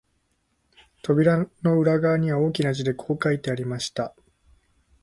扉の裏側には、大きな字でこう書いてありました